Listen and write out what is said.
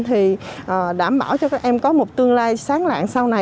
thì đảm bảo cho các em có một tương lai sáng lạng sau này